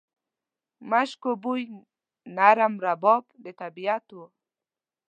مشکو بوی، نرم رباب د طبیعت و